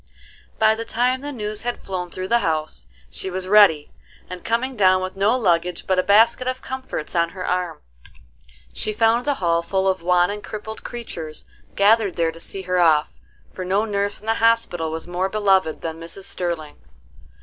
By the time the news had flown through the house, she was ready; and, coming down with no luggage but a basket of comforts on her arm, she found the hall full of wan and crippled creatures gathered there to see her off, for no nurse in the hospital was more beloved than Mrs. Sterling.